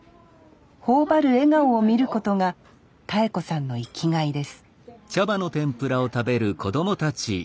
頬張る笑顔を見ることが妙子さんの生きがいですうん。